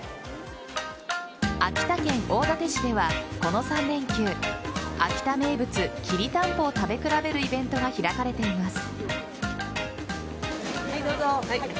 秋田県大館市ではこの３連休秋田名物・きりたんぽを食べ比べるイベントが開かれています。